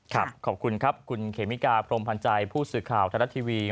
ขอบคุณครับคุณเขมิกาพรมพันธ์ใจผู้สื่อข่าวไทยรัฐทีวี